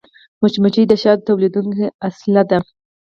مچمچۍ د شاتو تولیدوونکې اصلیه ده